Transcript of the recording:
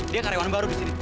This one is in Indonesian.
dia karyawan baru disini